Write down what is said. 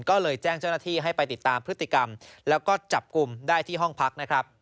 ก็เลยแจ้งเจ้าหน้าที่ให้ไปติดตามพฤติกรรมแล้วก็จับกลุ่มได้ที่ห้องพักนะครับ